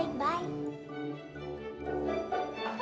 keren banget kak berbunuh rangga